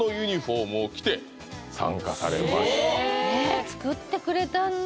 ねぇ作ってくれたんだ